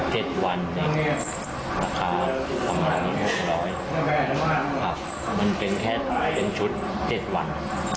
เจ็ดวันราคาประมาณหนึ่งห้าร้อยครับมันเป็นแค่เป็นชุดเจ็ดวัน